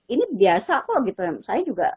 ini biasa kok gitu saya juga